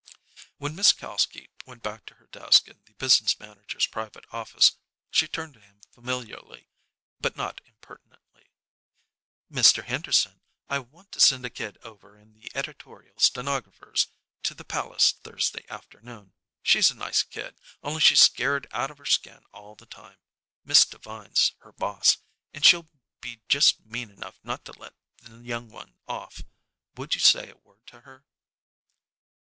When Miss Kalski went back to her desk in the business manager's private office, she turned to him familiarly, but not impertinently. "Mr. Henderson, I want to send a kid over in the editorial stenographers' to the Palace Thursday afternoon. She's a nice kid, only she's scared out of her skin all the time. Miss Devine's her boss, and she'll be just mean enough not to let the young one off. Would you say a word to her?"